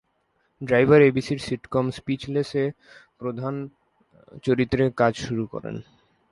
Driver এবিসির sitcom "স্পিচলেস"-এ প্রধান চরিত্রে কাজ শুরু করেন।